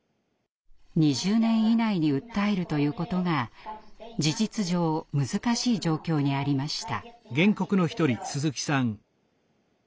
２０年以内に訴えるということが事実上難しい状況にありました。